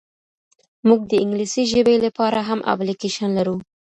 موږ د انګلیسي ژبي لپاره هم اپلیکیشن لرو.